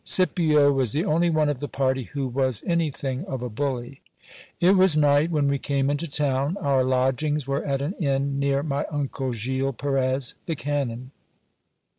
Scipio was the only one of the party who was anything of a bully. It was night when we came into town. Our lodgings were at an inn near my uncle, Gil Perez, the canon.